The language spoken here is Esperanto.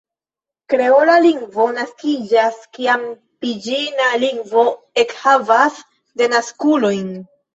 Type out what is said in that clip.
Kreola lingvo naskiĝas kiam piĝina lingvo ekhavas denaskulojn.